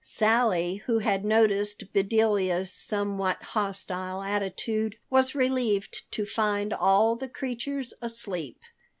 Sally, who had noticed Bedelia's somewhat hostile attitude, was relieved to find all the creatures asleep.